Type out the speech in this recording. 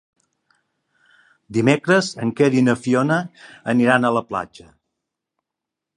Dimecres en Quer i na Fiona aniran a la platja.